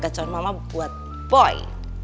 gacauan mama buat boy